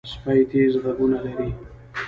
سپي تیز غوږونه لري.